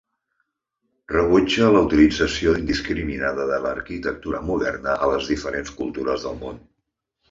Rebutja la utilització indiscriminada de l'arquitectura moderna a les diferents cultures del món.